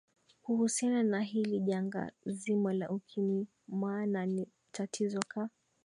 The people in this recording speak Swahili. kuhusiana na hili janga zima la ukimwi maana ni tatizo ka